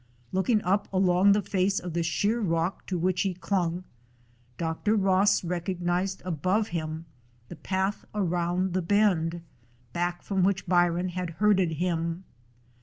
Looking up along the face of the sheer rock to which he clung, Dr. Ross recognized above him the path around the bend, back from which Byron had herded him.